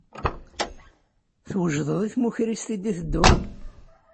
Twejdeḍ i tmukrist i d-iteddun?